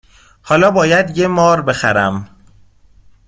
حالا باید یه مار بخرم